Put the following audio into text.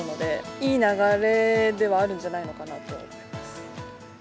いい流れではあるんじゃないのかなと思います。